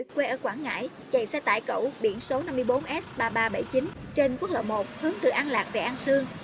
quê ở quảng ngãi chạy xe tải cẩu biển số năm mươi bốn s ba nghìn ba trăm bảy mươi chín trên quốc lộ một hướng từ an lạc về an sương